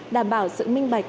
đảm bảo sự minh bạch